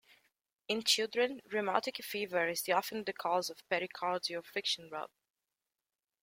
In children, rheumatic fever is often the cause of pericardial friction rub.